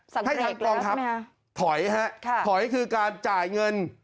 สั่งเลขแล้วใช่ไหมครับถอยครับถอยคือการจ่ายเงิน